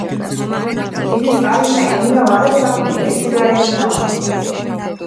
დიდი წყარიშა ინულა ვარე საქმე ეშულა რენია ვარა